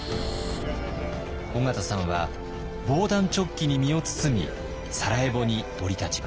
緒方さんは防弾チョッキに身を包みサラエボに降り立ちます。